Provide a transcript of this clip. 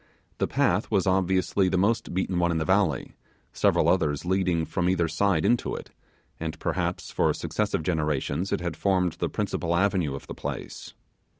The path was obviously the most beaten one in the valley, several others leading from each side into it, and perhaps for successive generations it had formed the principal avenue of the place.